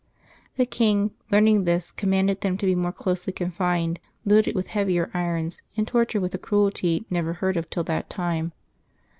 The king, learning this, commanded them to be more closely confined, loaded with heavier irons, and tortured with a cruelty never heard of till that time.